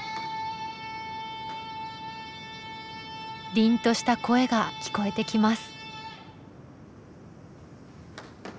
りんとした声が聞こえてきます。